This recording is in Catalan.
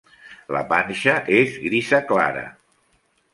La panxa és grisa clara.